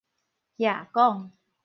靴管